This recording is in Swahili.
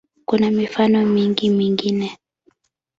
Kuna mifano mingi mingine.